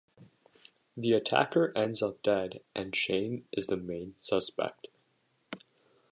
The attacker ends up dead and Shane is the main suspect.